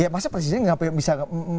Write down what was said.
ya maksudnya presidennya bisa